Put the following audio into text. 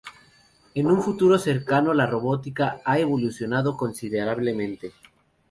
En un futuro cercano, la robótica ha evolucionado considerablemente.